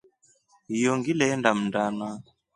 Iyo ngilenda mndana.